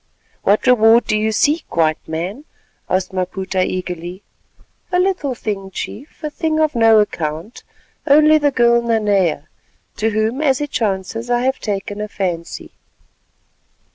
"What reward do you seek, White Man?" asked Maputa eagerly. "A little thing, Chief, a thing of no account, only the girl Nanea, to whom as it chances I have taken a fancy."